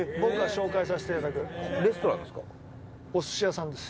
長嶋：お寿司屋さんです。